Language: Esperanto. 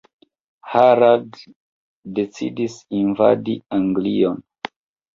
Harald decidis invadi Anglion.